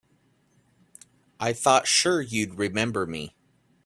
I thought sure you'd remember me.